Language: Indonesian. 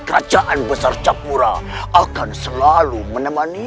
kerajaan pajacaran akan semakin lemah maesha